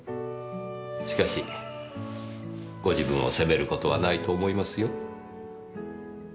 しかしご自分を責める事はないと思いますよ。